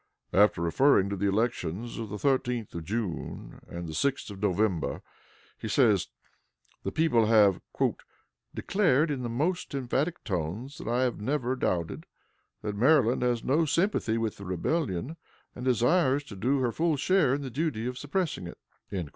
After referring to the elections of the 13th of June and the 6th of November, he says, the people have "declared, in the most emphatic tones, what I have never doubted, that Maryland has no sympathy with the rebellion, and desires to do her full share in the duty of suppressing it."